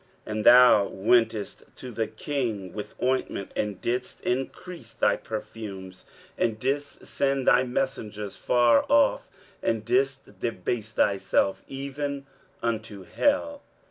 23:057:009 And thou wentest to the king with ointment, and didst increase thy perfumes, and didst send thy messengers far off, and didst debase thyself even unto hell.